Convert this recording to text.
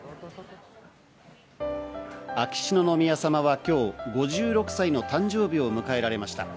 秋篠宮さまは今日、５６歳の誕生日を迎えられました。